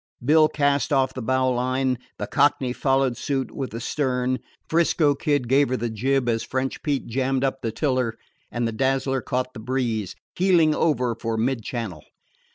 Bill cast off the bowline, the Cockney followed suit with the stern, 'Frisco Kid gave her the jib as French Pete jammed up the tiller, and the Dazzler caught the breeze, heeling over for mid channel.